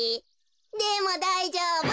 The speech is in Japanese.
でもだいじょうぶ。